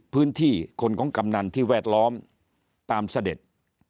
คนของกำนันที่แวดล้อมตามเสด็จ